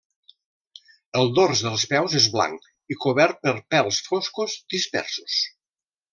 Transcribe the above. El dors dels peus és blanc i cobert per pèls foscos dispersos.